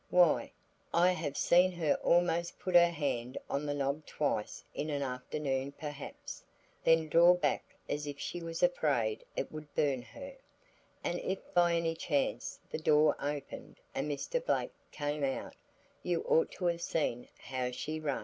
Why, I have seen her almost put her hand on the knob twice in an afternoon perhaps, then draw back as if she was afraid it would burn her; and if by any chance the door opened and Mr. Blake came out, you ought to have seen how she run.